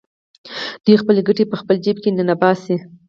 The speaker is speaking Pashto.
دوی خپلې ګټې په خپل جېب کې ننباسي